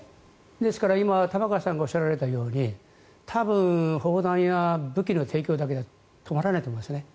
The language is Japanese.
ですから今、玉川さんがおっしゃられたように多分、砲弾や武器の提供だけじゃ止まらないと思います。